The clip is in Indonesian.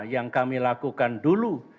yang kami lakukan dulu